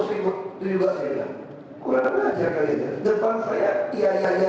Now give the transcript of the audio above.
ini kan kerja yang sudah kita ini